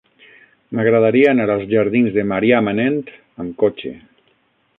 M'agradaria anar als jardins de Marià Manent amb cotxe.